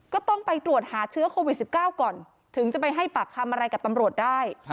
ก็ต้องไปตรวจหาเชื้อโควิด๑๙ก่อนถึงจะไปให้ปากคำอะไรกับตำรวจได้